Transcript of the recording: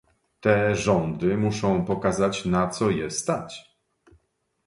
Te rządy muszą pokazać, na co je stać!